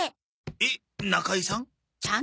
えっ仲居さん？